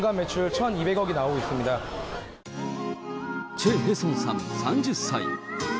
チェ・ヘソンさん３０歳。